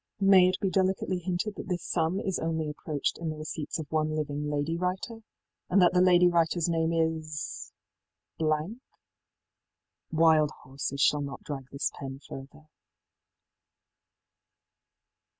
May it be delicately hinted that this sum is only approached in the receipts of one living lady writer, and that the lady writerís name is ? Wild horses shall not drag this pen further.